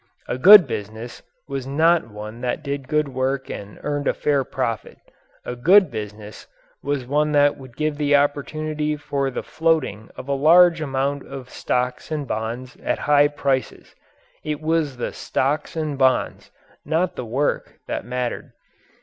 A good business was not one that did good work and earned a fair profit. A good business was one that would give the opportunity for the floating of a large amount of stocks and bonds at high prices. It was the stocks and bonds, not the work, that mattered.